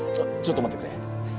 あっちょっと待ってくれ。